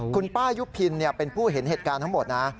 คุณป้ายุพินเป็นผู้เห็นเหตุการณ์ทั้งหมดนะ